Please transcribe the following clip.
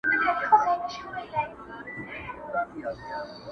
o کيسه د عبرت بڼه اخلي تل,